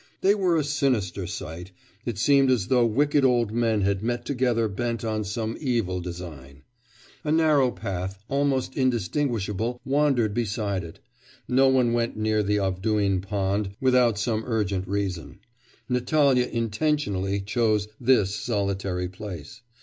They were a sinister sight; it seemed as though wicked old men had met together bent on some evil design. A narrow path almost indistinguishable wandered beside it. No one went near the Avduhin pond without some urgent reason. Natalya intentionally chose this solitary place.